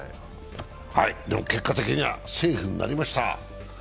結果的にはセーフになりました。